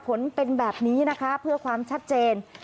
ผลเป็นแบบนี้นะคะเพื่อความชัดเจน